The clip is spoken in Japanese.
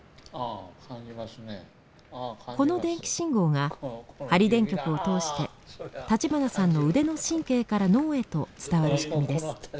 この電気信号が針電極を通して立花さんの腕の神経から脳へと伝わる仕組みです。